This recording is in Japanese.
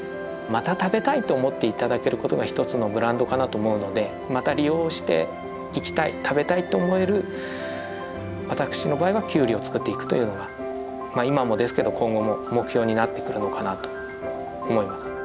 また食べたいと思って頂けることが一つのブランドかなと思うのでまた利用していきたい食べたいと思える私の場合はキュウリを作っていくというのがまあ今もですけど今後も目標になってくるのかなと思います。